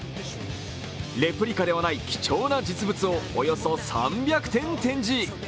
レプリカではない貴重な実物をおよそ３００点展示。